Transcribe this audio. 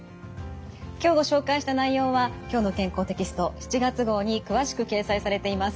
今日ご紹介した内容は「きょうの健康」テキスト７月号に詳しく掲載されています。